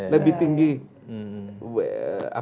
lebih tinggi bansos pemilu kan